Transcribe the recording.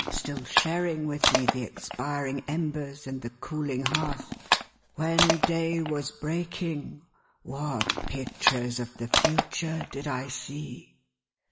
still sharing with me the expiring embers and the cooling hearth,— when day was breaking, what pictures of the future did I see